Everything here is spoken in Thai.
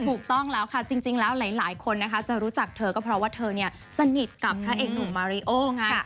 ถูกต้องแล้วค่ะจริงแล้วหลายคนนะคะจะรู้จักเธอก็เพราะว่าเธอเนี่ยสนิทกับพระเอกหนุ่มมาริโอไง